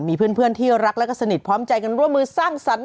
มีเพื่อนที่รักและก็สนิทพร้อมใจกันร่วมมือสร้างสรรค์